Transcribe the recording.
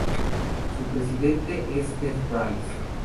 Su presidente es Ted Price.